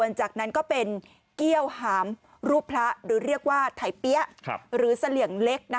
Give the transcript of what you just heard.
หลังจากนั้นก็เป็นเกี้ยวหามรูปพระหรือเรียกว่าไถเปี้ยหรือเสลี่ยงเล็ก